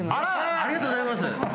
ありがとうございます！